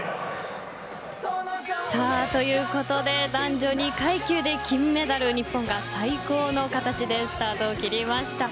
男女２階級で金メダル日本が最高の形でスタートを切りました。